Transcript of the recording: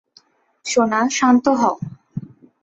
সোনা, শান্ত হও।